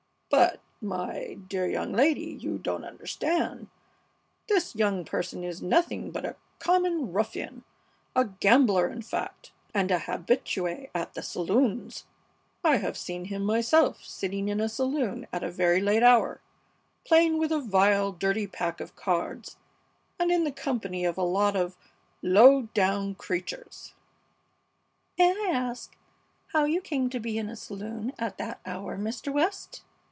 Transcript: "But, my dear young lady, you don't understand. This young person is nothing but a common ruffian, a gambler, in fact, and an habitué at the saloons. I have seen him myself sitting in a saloon at a very late hour playing with a vile, dirty pack of cards, and in the company of a lot of low down creatures " "May I ask how you came to be in a saloon at that hour, Mr. West?"